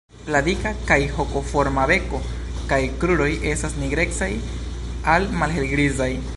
La dika kaj hokoforma beko kaj kruroj estas nigrecaj al malhelgrizaj.